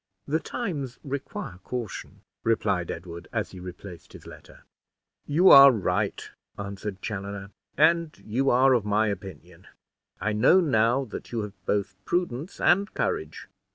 "The times require caution," replied Edward, as he replaced his letter. "You are right," answered Chaloner, "and you are of my opinion. I know now that you have both prudence and courage.